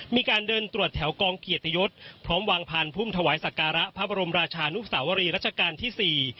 มีการเดินตรวจแถวกองเกียรติยศพร้อมวางพานพุ่มถวายสักการะพระบรมราชานุสาวรีรัชกาลที่สี่